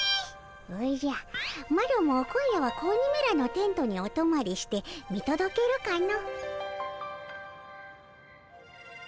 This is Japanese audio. おじゃマロも今夜は子鬼めらのテントにおとまりしてみとどけるかの。